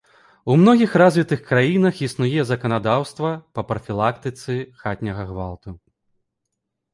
У многіх развітых краінах існуе заканадаўства па прафілактыцы хатняга гвалту.